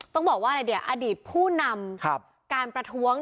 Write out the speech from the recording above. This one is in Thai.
ต้องบอกว่าอะไรเนี่ยอดีตผู้นำการประท้วง